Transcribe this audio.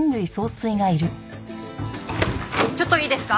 ちょっといいですか？